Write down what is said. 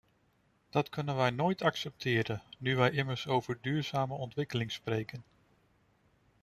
Dat kunnen wij nooit accepteren nu wij immers over duurzame ontwikkeling spreken.